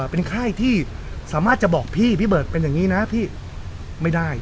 เป็นไข้ที่สามารถจะบอกพี่พี่เบิร์ตเป็นอย่างนี้นะพี่ไม่ได้